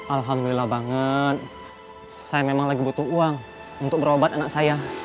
alhamdulillah banget saya memang lagi butuh uang untuk berobat anak saya